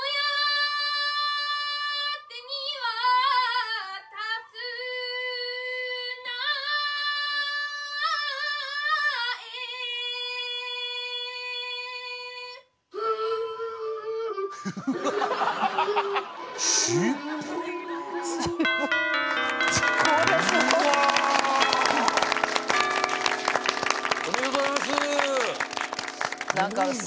おめでとうございます。